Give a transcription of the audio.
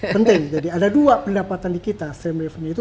penting jadi ada dua pendapatan di kita st revenue itu